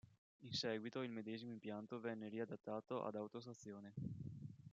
In seguito il medesimo impianto venne riadattato ad autostazione.